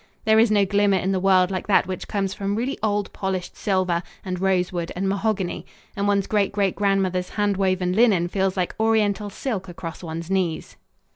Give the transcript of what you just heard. There is no glimmer in the world like that which comes from really old polished silver and rosewood and mahogany, and one's great great grandmother's hand woven linen feels like Oriental silk across one's knees.